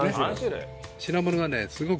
品物がねすごく。